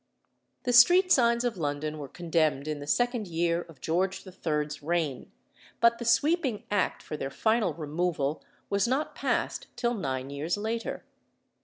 The street signs of London were condemned in the second year of George III.'s reign; but the sweeping Act for their final removal was not passed till nine years later.